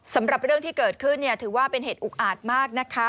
สำหรับเรื่องที่เกิดขึ้นถือว่าเป็นเหตุอุกอาจมากนะคะ